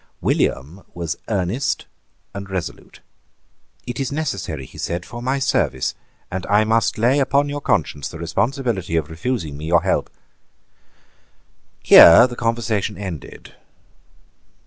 William was earnest and resolute. "It is necessary," he said, "for my service; and I must lay on your conscience the responsibility of refusing me your help." Here the conversation ended.